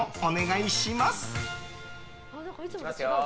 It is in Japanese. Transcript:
いきますよ。